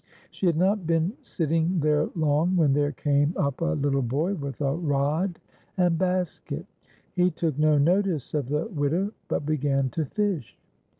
She had not been sitting there long when there came up a little boy with a rod and basket. He took no notice of the widow, but began to fish.